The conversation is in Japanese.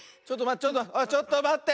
ちょっとまって。